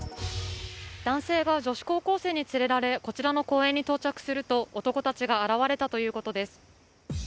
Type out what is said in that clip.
男性が女子高校生に連れられこちらの公園に到着すると男たちが現れたということです。